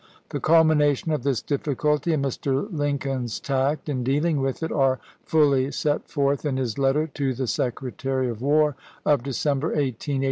The culmination of this difficulty and Mr. Lincoln's tact in dealing with it, are fully set forth in his letter to the Secretary of War, of December 18, 1863.